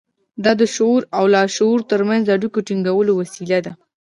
دا د شعور او لاشعور ترمنځ د اړيکو د ټينګولو وسيله ده.